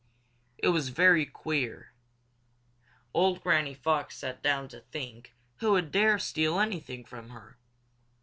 It was very queer. Old Granny Fox sat down to think who would dare steal anything from her.